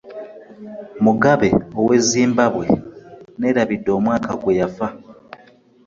Mugabe ow'e Zimbabwe nneerabidde omwaka gwe yafa.